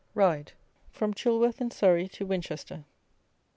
RIDE: FROM CHILWORTH, IN SURREY, TO WINCHESTER.